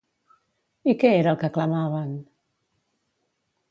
I què era el que clamaven?